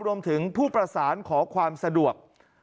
รวมถึงผู้ประสานขอความสะดวก